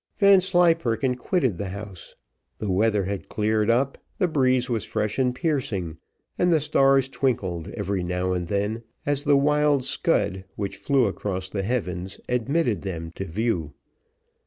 Vanslyperken quitted the house; the weather had cleared up, the breeze was fresh and piercing, and the stars twinkled every now and then, as the wild scud which flew across the heavens admitted them to view.